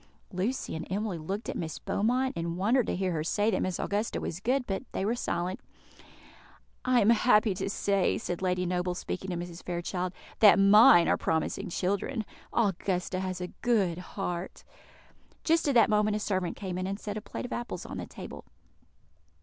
Lucy and Emily looked at Miss Beaumont, and wondered to hear her say that Miss Augusta was good, but they were silent. "I am happy to say," said Lady Noble, speaking to Mrs. Fairchild, "that mine are promising children. Augusta has a good heart." Just at that moment a servant came in, and set a plate of apples on the table.